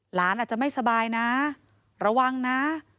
หลานอาจจะไม่สบายนะระวังนะ